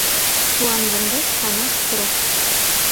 Шуанвондеш Канаш срок.